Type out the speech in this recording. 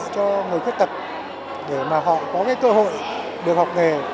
cho người khuyết tật để mà họ có cái cơ hội được học nghề